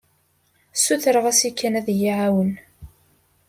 Sutreɣ-as i Ken ad yi-iɛawen.